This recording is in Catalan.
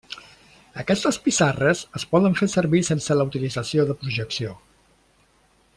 Aquestes pissarres es poden fer servir sense la utilització de projecció.